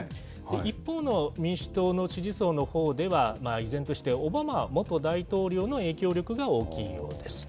一方の民主党の支持層のほうでは、依然として、オバマ元大統領の影響力が大きいようです。